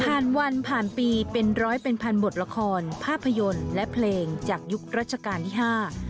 วันผ่านปีเป็นร้อยเป็นพันบทละครภาพยนตร์และเพลงจากยุครัชกาลที่ห้า